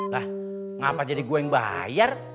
lah ngapa jadi gua yang bayar